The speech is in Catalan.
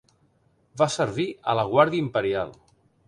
Va servir a la guàrdia imperial.